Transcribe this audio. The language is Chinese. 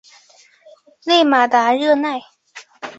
勒马达热奈。